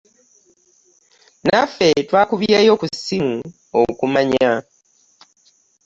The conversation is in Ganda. Naffe twakubyeyo ku ssimu okumanya.